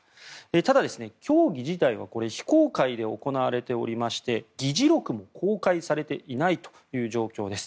ただ、協議自体は非公開で行われておりまして議事録も公開されていないという状況です。